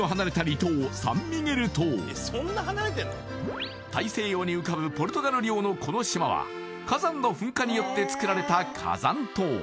島大西洋に浮かぶポルトガル領のこの島は火山の噴火によってつくられた火山島